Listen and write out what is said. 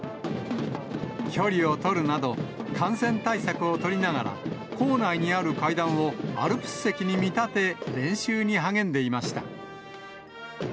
距離を取るなど、感染対策を取りながら、校内にある階段をアルプス席に見立て、練習に励んでいました。